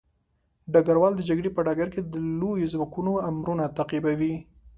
ډګروال د جګړې په ډګر کې د لويو ځواکونو امرونه تعقیبوي.